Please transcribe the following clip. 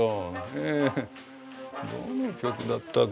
どの曲だったか？